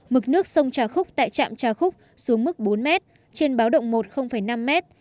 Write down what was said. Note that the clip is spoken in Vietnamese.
mực nước sông trà khúc tại trạm trà khúc xuống mức bốn mét trên báo động một năm mét